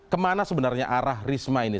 kemana sebenarnya arah risma ini